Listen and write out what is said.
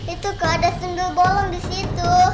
itu kak ada sendul bolong disitu